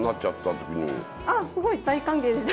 あすごい大歓迎でした。